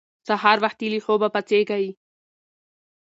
سهار وختي له خوبه پاڅېږئ.